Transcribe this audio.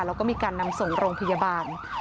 แล้วก็มีการนำส่งโรงพยาบาล